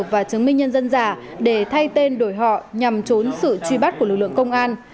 và chứng minh nhân dân giả để thay tên đổi họ nhằm trốn sự truy bắt của lực lượng công an